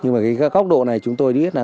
nhưng mà góc độ này chúng tôi biết